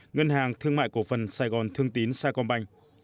ngân hàng thương mại cổ phần sài gòn thương tín sa công banh